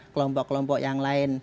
kelompok kelompok yang lain